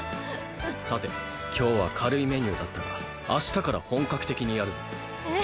さて今日は軽いメニューだったが明日から本格的にやるぞえっ